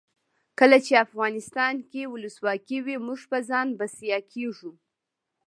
کله چې افغانستان کې ولسواکي وي موږ په ځان بسیا کیږو.